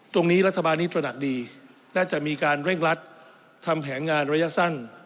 ตรงนี้รัฐบาลนี้ตระหนักดีและจะมีการเร่งรัดทำแผนงานระยะสั้น